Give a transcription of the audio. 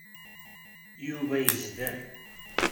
Yuba yezder.